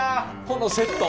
このセット。